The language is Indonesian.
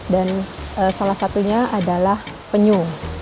dan salah satunya adalah penyu